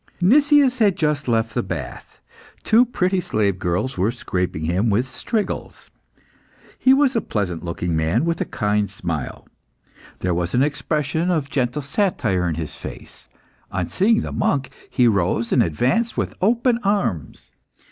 Nicias had just left the bath. Two pretty slave girls were scraping him with strigils. He was a pleasant looking man, with a kind smile. There was an expression of gentle satire in his face. On seeing the monk, he rose and advanced with open arms.